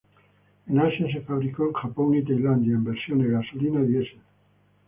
En Asia se fabricó en Japón y Tailandia en versiones Gasolina y Diesel.